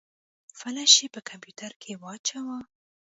فلش يې په کمپيوټر کې واچوه.